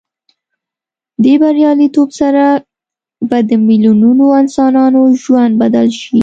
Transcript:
دې بریالیتوب سره به د میلیونونو انسانانو ژوند بدل شي.